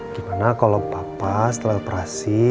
gimana kalau papa setelah operasi